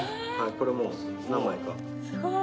これもう何枚か。